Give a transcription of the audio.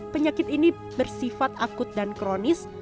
penyakit ini bersifat akut dan kronis